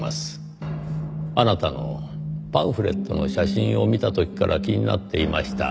あなたのパンフレットの写真を見た時から気になっていました。